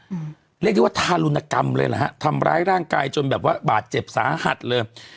อืมเรียกได้ว่าทารุณกรรมเลยเหรอฮะทำร้ายร่างกายจนแบบว่าบาดเจ็บสาหัสเลย